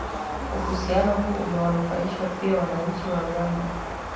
Uhusiano huo umewanufaisha pia wananchi wa Rwanda